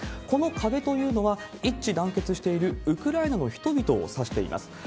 この壁というのは、一致団結しているウクライナの人々を指しています。